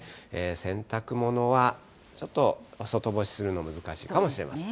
洗濯物はちょっと外干しするのは難しいかもしれません。